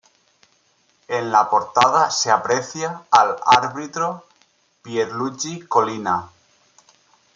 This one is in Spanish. En la portada se aprecia al árbitro Pierluigi Collina.